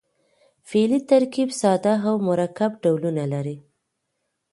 فعلي ترکیب ساده او مرکب ډولونه لري.